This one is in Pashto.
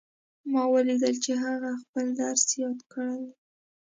ما ولیدل چې هغې خپل درس یاد کړی وو